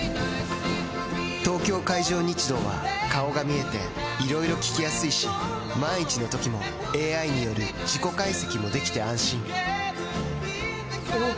東京海上日動は顔が見えていろいろ聞きやすいし万一のときもＡＩによる事故解析もできて安心おぉ！